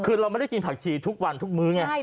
คือเราไม่ได้กินผักชีทุกวันทุกมื้อไง